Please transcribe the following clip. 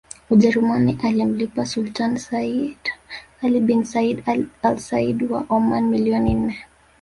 Ujerumani alimlipa Sultan Sayyid Ali bin Said al Said wa Oman milioni nne